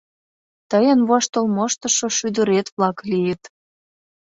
Тыйын воштыл моштышо шӱдырет-влак лийыт!